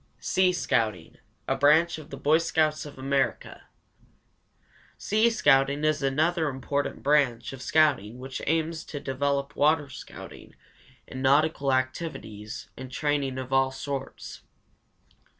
SEA SCOUTING A BRANCH OF THE BOY SCOUTS OF AMERICA. Sea scouting is another important branch of scouting which aims to develop water scouting and nautical activities and training of all sorts.